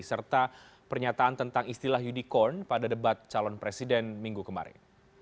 serta pernyataan tentang istilah unicorn pada debat calon presiden minggu kemarin